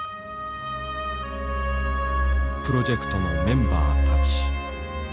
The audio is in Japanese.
プロジェクトのメンバーたち。